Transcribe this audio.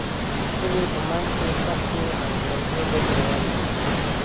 د کلي په منځ کې سختې او درندې ډزې روانې دي